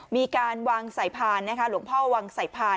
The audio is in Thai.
มีการวางสายพานนะคะหลวงพ่อวางสายพาน